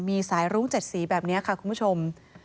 มีสายรุ้ง๗สีแบบนี้ค่ะคุณผู้ชม